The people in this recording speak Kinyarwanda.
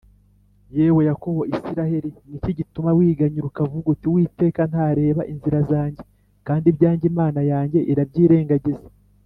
yewe yakobo isiraheli, ni iki gituma wiganyira ukavuga uti “uwiteka ntareba inzira zanjye, kandi ibyanjye imana yanjye irabyirengagiza?”